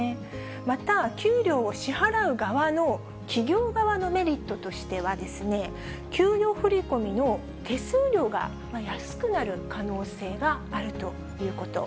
また、給料を支払う側の企業側のメリットとしては、給与振り込みの手数料が安くなる可能性があるということ。